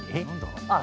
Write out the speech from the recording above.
あっ！